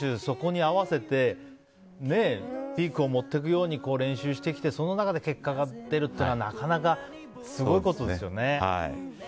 そこに合わせてピークを持っていくように練習してきてその中で結果が出るっていうのはなかなかすごいことですよね。